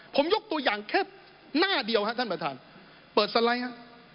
ผมยกตัวอย่างแค่หน้าเดียวครับท่านประธานเปิดสไลด์ฮะ